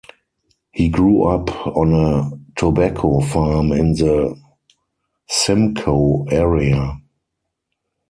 He grew up on a tobacco farm in the Simcoe area.